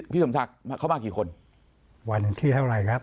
พี่สมทักเข้ามากี่คนวันที่เท่าไหร่ครับ